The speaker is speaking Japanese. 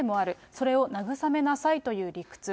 それを慰めなさいという理屈。